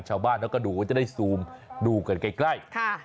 ชาวบ้านเขาก็ดูว่าจะได้ซูมดูกันใกล้